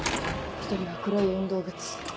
一人は黒い運動靴。